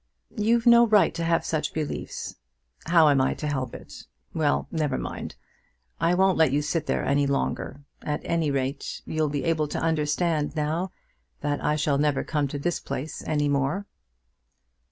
"You've no right to have such beliefs." "How am I to help it? Well; never mind. I won't let you sit there any longer. At any rate you'll be able to understand now that I shall never come to this place any more."